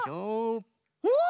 おっ！